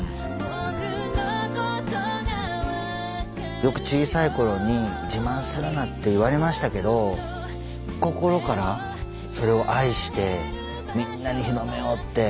よく小さいころに「自慢するな」って言われましたけど心からそれを愛してみんなに広めようって頑張っている。